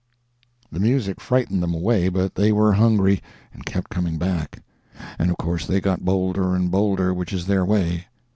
"The music frightened them away, but they were hungry, and kept coming back. And of course they got bolder and bolder, which is their way.